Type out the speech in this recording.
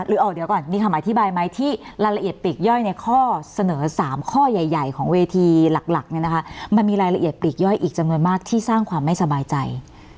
หรือออกเดี๋ยวก่อนมีคำอธิบายไหมที่รายละเอียดปลีกย่อยในข้อเสนอ๓ข้อใหญ่ของเวทีหลักเนี่ยนะคะมันมีรายละเอียดปลีกย่อยอีกจำนวนมากที่สร้างความไม่สบายใจ